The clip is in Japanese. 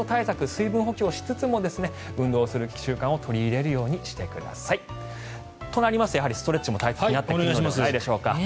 水分補給をしつつも運動する習慣を取り入れるようにしてください。となりますとストレッチも大切になってくるのではないでしょうか。